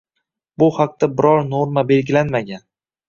bu haqda biror norma belgilanmagan.